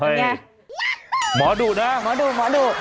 เฮ้ยหมอดูดนะหมอดูดหมอดูด